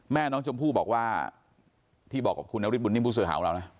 แม่น้องชมพู่บอกว่าที่บอกกับคุณน้องฤทธิ์บุญนิมปุศือหาของเรานะ